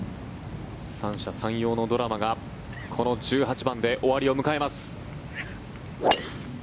三者三様のドラマがこの１８番で終わりを迎えます。